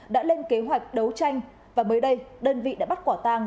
đã lên kế hoạch đấu tranh và mới đây đơn vị đã bắt quả tàng